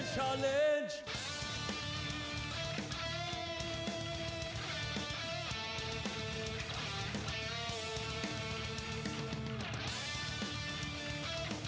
ชาเล่นชาเล่น